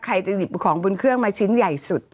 ใครจะหยิบของบนเครื่องมาชิ้นใหญ่สุด